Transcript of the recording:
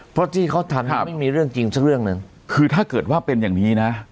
เพราะที่เขาทำให้ไม่มีเรื่องจริงสักเรื่องหนึ่งคือถ้าเกิดว่าเป็นอย่างนี้นะ